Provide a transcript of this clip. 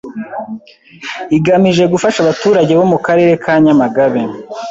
igamije gufasha abaturage bo mu Karere ka Nyamagabe